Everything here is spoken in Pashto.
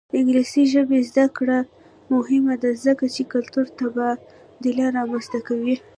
د انګلیسي ژبې زده کړه مهمه ده ځکه چې کلتوري تبادله رامنځته کوي.